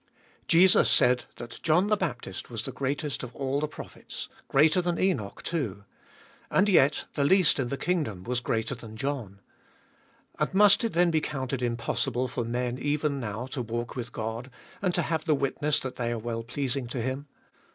1. Jesus said that John the Baptist was the greatest of all the prophets, greater than Enoch too. And yet, the least in the kingdom was greater than John, And must it then be counted impossible for men even now to walk with God, and to have the witness that they are well pleasing to Him